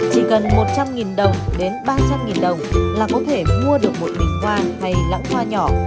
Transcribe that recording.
chỉ cần một trăm linh đồng đến ba trăm linh đồng là có thể mua được một bình hoa hay lãng hoa nhỏ